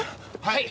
はい！